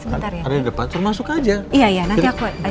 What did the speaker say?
sebenarnya website aku dia